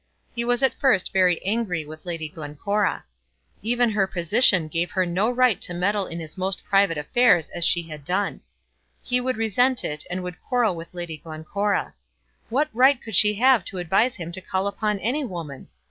He was at first very angry with Lady Glencora. Even her position gave her no right to meddle with his most private affairs as she had done. He would resent it, and would quarrel with Lady Glencora. What right could she have to advise him to call upon any woman?